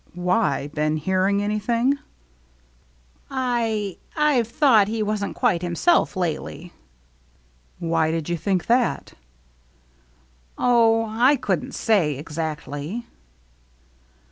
" Why ? Been hearing anything ?" "I — I've thought he wasn't quite himself lately." " Why did you think that? "" Oh, I couldn't say, exactly."